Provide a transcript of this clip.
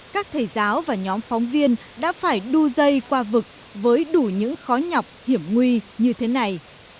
các thầy giáo và nhóm phóng viên đã phải đu dây qua vực với đủ những khó nhọc hiểm nguy như thế này